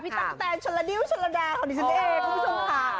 พี่ตั้งแต่ชนลาดิ้วชนลาแดของดิฉันอีกคุณผู้ชมค่ะ